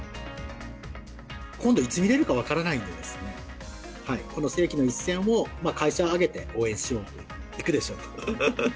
今度、いつ見れるか分からないですから、この世紀の一戦を、会社を挙げて応援しようということで。